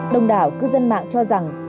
đông đảo cư dân mạng cho rằng